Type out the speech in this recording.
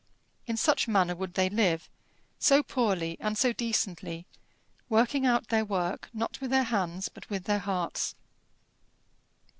In such manner would they live, so poorly and so decently, working out their work, not with their hands but with their hearts.